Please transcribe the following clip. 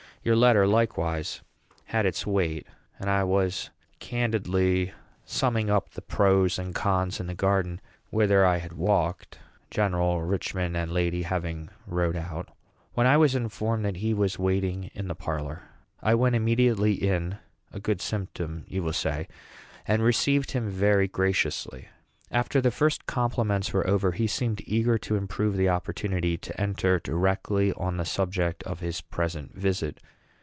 Your letter, likewise, had its weight; and I was candidly summoning up the pros and cons in the garden, whither I had walked, (General Richman and lady having rode out,) when I was informed that he was waiting in the parlor. I went immediately in, (a good symptom, you will say,) and received him very graciously. After the first compliments were over, he seemed eager to improve the opportunity to enter directly on the subject of his present visit.